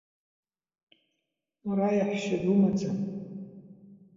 Уара аиаҳәшьа думаӡам…